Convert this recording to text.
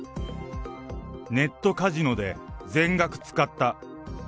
ネットカジノで全額使った。